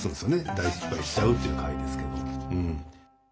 大失敗しちゃうっていう回ですけど。